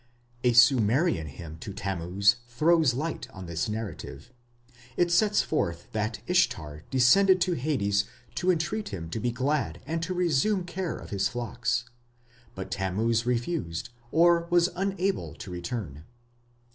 A Sumerian hymn to Tammuz throws light on this narrative. It sets forth that Ishtar descended to Hades to entreat him to be glad and to resume care of his flocks, but Tammuz refused or was unable to return.